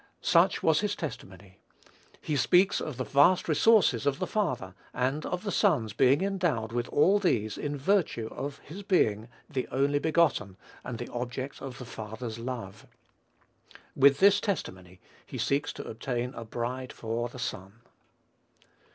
Such was his testimony. He speaks of the vast resources of the father, and of the son's being endowed with all these in virtue of his being "the only begotten," and the object of the father's love. With this testimony he seeks to obtain a bride for the son.